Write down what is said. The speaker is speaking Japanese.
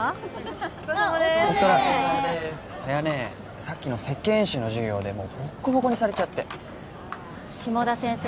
・お疲れさまですお疲れさや姉さっきの設計演習の授業でもうボッコボコにされちゃって下田先生